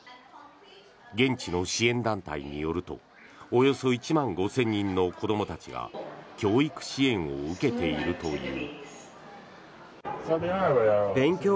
現地の支援団体によるとおよそ１万５０００人の子どもたちが教育支援を受けているという。